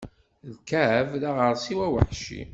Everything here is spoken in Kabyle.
Ikεeb d aɣersiw aweḥci.